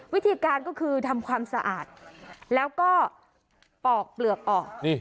วิธีการก็คือทำความสะอาดแล้วก็ปอกเปลือกออก